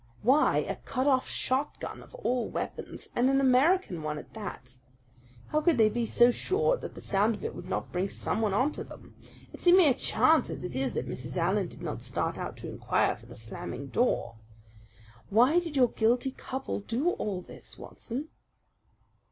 Why a cut off shotgun of all weapons and an American one at that? How could they be so sure that the sound of it would not bring someone on to them? It's a mere chance as it is that Mrs. Allen did not start out to inquire for the slamming door. Why did your guilty couple do all this, Watson?"